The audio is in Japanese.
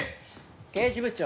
刑事部長。